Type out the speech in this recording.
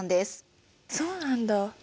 そうなんだ。